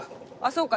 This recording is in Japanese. そうか。